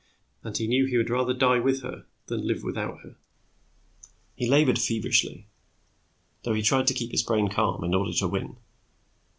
And he knew he would rather die with her than live without her. He labored feverishly, though he tried to keep his brain calm in order to win.